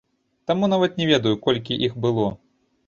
Таму нават не ведаю, колькі іх было.